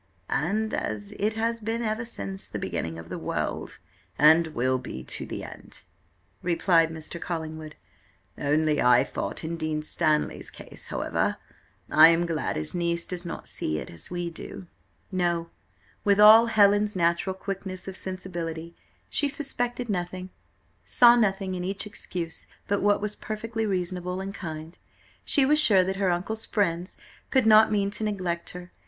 "And as it has been ever since the beginning of the world and will be to the end," replied Mr. Collingwood. "Only I thought in Dean Stanley's case however, I am glad his niece does not see it as we do." No with all Helen's natural quickness of sensibility, she suspected nothing, saw nothing in each excuse but what was perfectly reasonable and kind; she was sure that her uncle's friends could not mean to neglect her.